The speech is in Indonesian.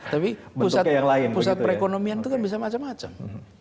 tapi pusat perekonomian itu kan bisa macam macam